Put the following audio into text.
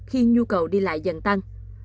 khi nhu cầu đi lại dần tăng